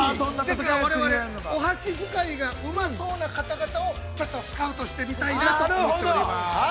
我々お箸使いがうまそうな方々をちょっとスカウトしてみたいなと思っております。